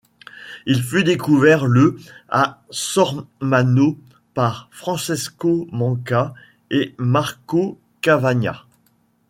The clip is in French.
Il fut découvert le à Sormano par Francesco Manca et Marco Cavagna.